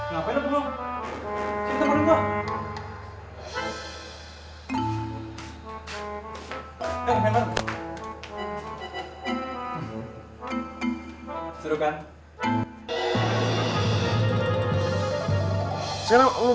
sekarang jejen makan telur dulu